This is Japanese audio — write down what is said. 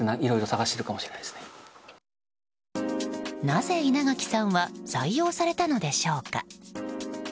なぜ稲垣さんは採用されたのでしょうか。